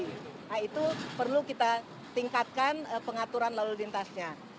nah itu perlu kita tingkatkan pengaturan lalu lintasnya